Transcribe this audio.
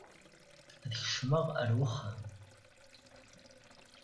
Ad kecmeɣ ar wexxam.